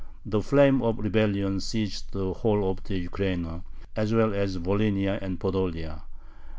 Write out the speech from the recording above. The flame of rebellion seized the whole of the Ukraina, as well as Volhynia and Podolia.